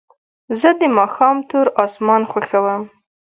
زه د ماښام تور اسمان خوښوم.